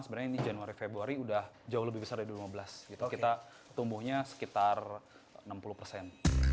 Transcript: sebenarnya ini januari februari udah jauh lebih besar dari dua ribu lima belas kita tumbuhnya sekitar enam puluh persen